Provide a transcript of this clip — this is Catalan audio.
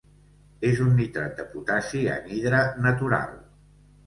És un nitrat de potassi anhidre natural.